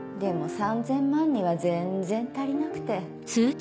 でも３０００万には全然足りなくて。